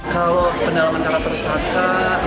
kalau pendalaman karya perusahaan saka